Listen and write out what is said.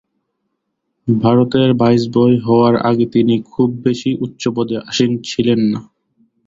ভারতের ভাইসরয় হওয়ার আগে তিনি খুব বেশি উচ্চ পদে আসীন ছিলেন না।